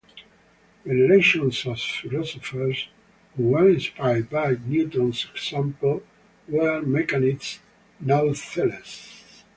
Generations of philosophers who were inspired by Newton's example were mechanists, nonetheless.